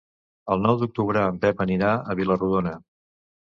El nou d'octubre en Pep anirà a Vila-rodona.